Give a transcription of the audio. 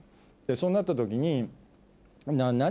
そうなった時に。